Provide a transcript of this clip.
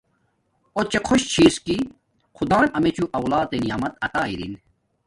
اݹچے خوشی چھی کہ خدان امیچوں اولاد نعمیت عطا ارین